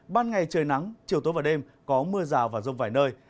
ban ngày trời nắng chiều tối và đêm có mưa rào và rông vài nơi